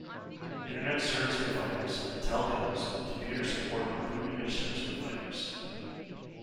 Internet service providers, telcos, computer support and boot image service providers.